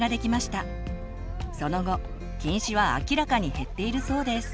その後近視は明らかに減っているそうです。